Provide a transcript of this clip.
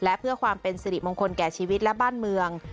และเพื่อความเป็นสิริมงคลแก่ชีวิตและบ้านเมือง